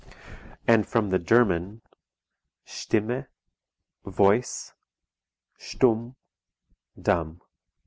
And from the German: Stimme voice, stumm dumb.